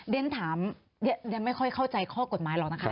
เรียนถามฉันไม่ค่อยเข้าใจข้อกฎหมายหรอกนะคะ